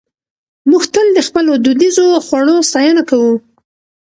موږ تل د خپلو دودیزو خوړو ستاینه کوو.